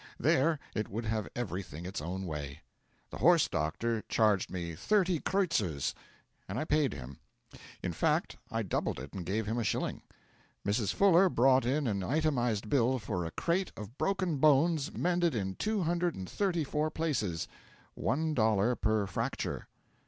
There it would have everything its own way. The horse doctor charged me thirty kreutzers, and I paid him; in fact I doubled it and gave him a shilling. Mrs. Fuller brought in an itemised bill for a crate of broken bones mended in two hundred and thirty four places one dollar per fracture.